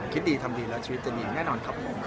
คิดดีทำดีแล้วชีวิตจะดีแน่นอนครับผม